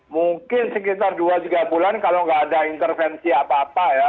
mungkin sekitar dua tiga bulan kalau nggak ada intervensi apa apa ya